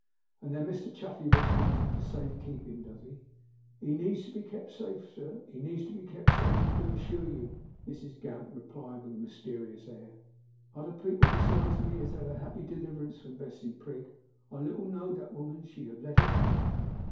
'and then Mr Chuffey retires into safe keeping, does he?' 'He needs to be kep safe, I do assure you,' Mrs Gamp replied with a mysterious air. 'Other people besides me has had a happy deliverance from Betsey Prig. I little know'd that woman. She'd have let it out!